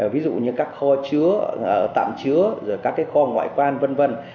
ví dụ như các kho chứa tạm chứa các cái kho ngoại quan vân vân